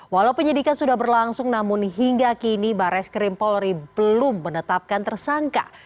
walau penyidikan sudah berlangsung namun hingga kini bares krim polri belum menetapkan tersangka